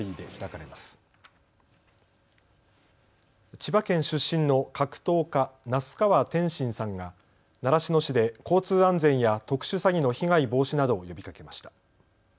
千葉県出身の格闘家、那須川天心さんが習志野市で交通安全や特殊詐欺の被害防止などを呼びかけました。